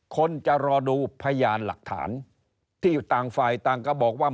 คนจะรอดูพยานหลักฐานที่ต่างฝ่ายต่างก็บอกว่า